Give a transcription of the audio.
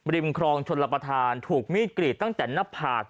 ครองชนรับประทานถูกมีดกรีดตั้งแต่หน้าผาก